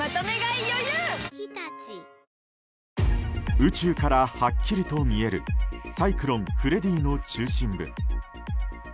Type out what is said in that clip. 宇宙からはっきりと見えるサイクロン、フレディの中心部。